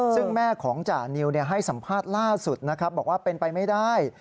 ซึ่งแม่ของจานิวให้สัมภาษณ์ล่าสุดนะครับบอกว่าเป็นไปไม่ได้